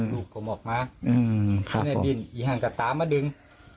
ดูผมออกมาที่ในดินหันกระตามาดึง